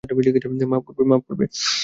মাফ করবে?